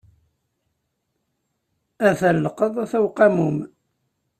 Ata llqeḍ, ata uqamum.